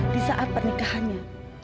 di saat pernikahannya